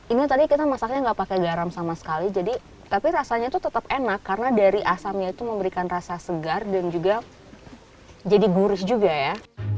ini tadi kita masaknya nggak pakai garam sama sekali jadi tapi rasanya itu tetap enak karena dari asamnya itu memberikan rasa segar dan juga jadi gurih juga ya